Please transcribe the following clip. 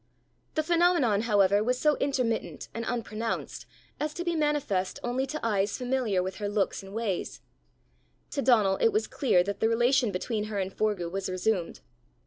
The phenomenon, however, was so intermittent and unpronounced, as to be manifest only to eyes familiar with her looks and ways: to Donal it was clear that the relation between her and Forgue was resumed.